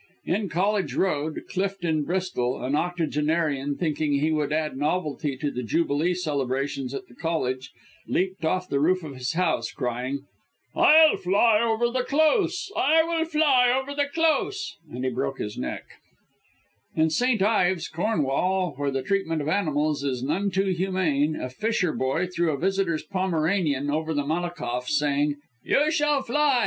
In College Road, Clifton, Bristol, an octogenarian thinking he would add novelty to the Jubilee celebrations at the College, leaped off the roof of his house, crying, "I'll fly over the Close! I will fly over the Close!" and broke his neck. In St. Ives, Cornwall, where the treatment of animals is none too humane, a fisher boy threw a visitor's Pomeranian over the Malakoff saying, "You shall fly!